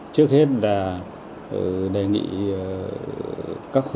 trước hết là đề nghị các khuôn